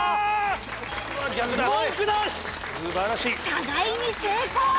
互いに成功